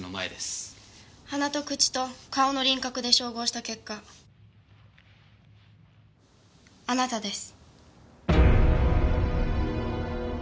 鼻と口と顔の輪郭で照合した結果あなたです。